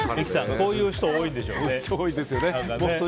こういう人多いんでしょうね。